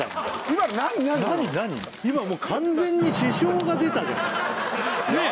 今もう完全に支障が出たよねえ